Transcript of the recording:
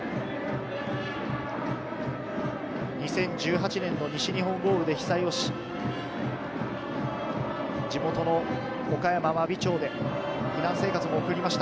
２０１８年の西日本豪雨で被災をし、地元の岡山・真備町で避難生活も送りました。